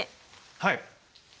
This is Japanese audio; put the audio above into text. はい。